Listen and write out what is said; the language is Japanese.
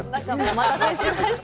お待たせしました。